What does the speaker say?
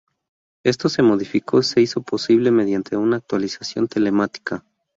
Esto se modificó y se hizo posible mediante una actualización telemática.